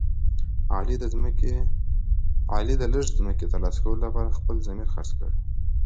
علي د لږ ځمکې تر لاسه کولو لپاره خپل ضمیر خرڅ کړ.